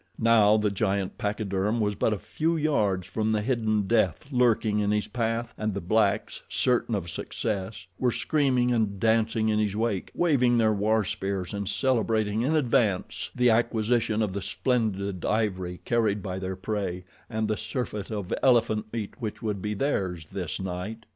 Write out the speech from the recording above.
Now the giant pachyderm was but a few yards from the hidden death lurking in his path, and the blacks, certain of success, were screaming and dancing in his wake, waving their war spears and celebrating in advance the acquisition of the splendid ivory carried by their prey and the surfeit of elephant meat which would be theirs this night.